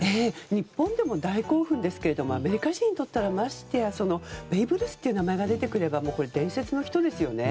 日本でも大興奮ですけどアメリカ人にとってはましてやベーブ・ルースという名前が出てくれば伝説の人ですよね。